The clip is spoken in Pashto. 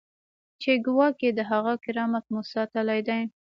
چې ګواکې د هغه کرامت مو ساتلی دی.